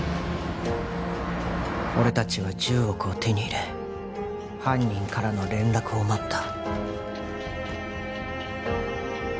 俺達は１０億を手に入れ犯人からの連絡を待った